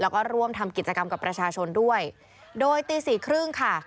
แล้วก็ร่วมทำกิจกรรมกับประชาชนด้วยโดยตีสี่ครึ่งค่ะ